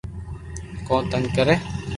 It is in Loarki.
ڪون تنگ ڪري